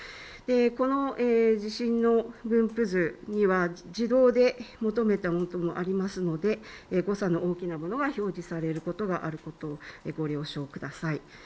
この地震の分布図には自動で求めたものもありますので誤差の大きなものは表示されることがあることをご了承ください。